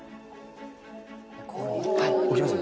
ここに置きますよ。